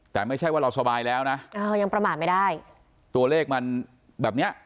แต่ไม่ใช่ว่าเราสบายแล้วนะตัวเลขมันแบบนี้